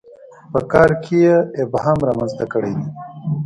په کار کې یې ابهام رامنځته کړی دی.